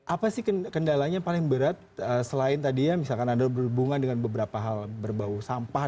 apa sih kendalanya paling berat selain tadi ya misalkan anda berhubungan dengan beberapa hal berbau sampah